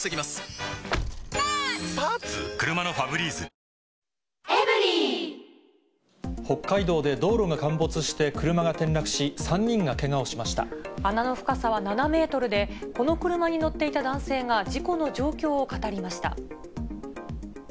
走っていたときに、北海道で道路が陥没して車が穴の深さは７メートルで、この車に乗っていた男性が事故の状況を語りました。